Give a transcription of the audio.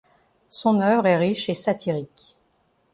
Son œuvre est riche et satirique.